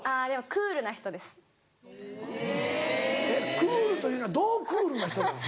クールというのはどうクールなの？